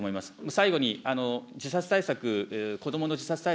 最後に自殺対策、子どもの自殺対